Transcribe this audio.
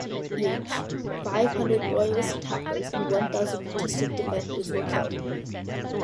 During the siege, five hundred Royalist attackers and one thousand Protestant defenders were killed.